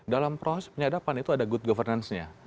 dalam proses penyadapan itu ada good governance nya